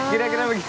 gak kira kira begitu